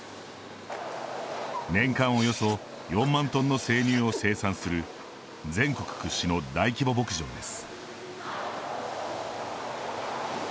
年間およそ４万トンの生乳を生産する全国屈指の大規模牧場です。